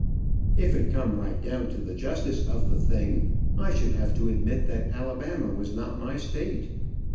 If it come right down to the justice of the thing, I should have to admit that Alabama was not my state.